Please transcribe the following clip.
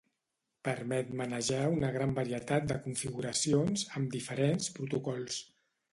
Permet manejar una gran varietat de configuracions, amb diferents protocols.